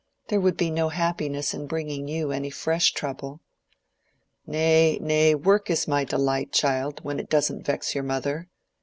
"There would be no happiness in bringing you any fresh trouble." "Nay, nay; work is my delight, child, when it doesn't vex your mother.